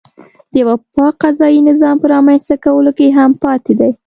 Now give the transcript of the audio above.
د یوه پاک قضایي نظام په رامنځته کولو کې هم پاتې دی.